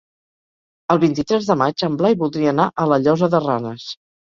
El vint-i-tres de maig en Blai voldria anar a la Llosa de Ranes.